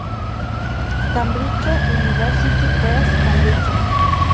Cambridge University Press, Cambridge.